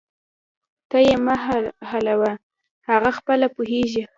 ته یې مه حلوه، هغه خپله پوهیږي